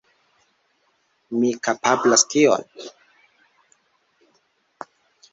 Mi kapablas kion?